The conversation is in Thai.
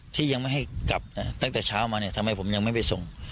ที่ยังไม่ให้กลับตั้งแต่เช้ามาเนี่ยทำไมผมยังไม่ไปส่ง